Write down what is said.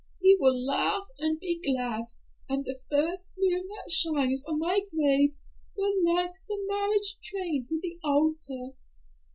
He will laugh and be glad, and the first moon that shines on my grave will light the marriage train to the altar."